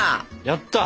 やった！